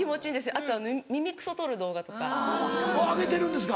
あとは耳クソ取る動画とか。を上げてるんですか？